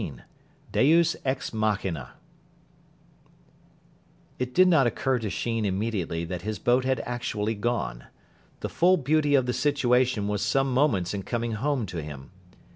XIII DEUS EX MACHINA It did not occur to Sheen immediately that his boat had actually gone. The full beauty of the situation was some moments in coming home to him.